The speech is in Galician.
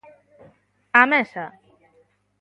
Á mesa!